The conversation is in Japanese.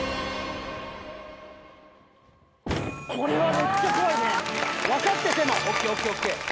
これはめっちゃ怖いね分かっててもＯＫＯＫＯＫ